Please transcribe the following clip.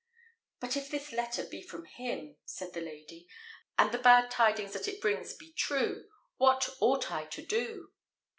"But if this letter be from him," said the lady, "and the bad tidings that it brings be true, what ought I to do?